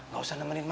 gak usah nemenin mama